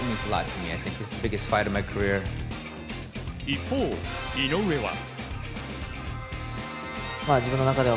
一方、井上は。